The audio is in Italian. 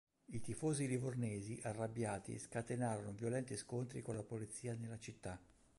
I tifosi livornesi arrabbiati scatenarono violenti scontri con la polizia nella città.